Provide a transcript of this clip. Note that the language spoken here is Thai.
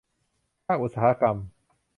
ภาคอุตสาหกรรม